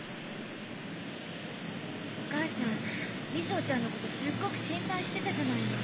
お母さん瑞穂ちゃんのことすっごく心配してたじゃないの。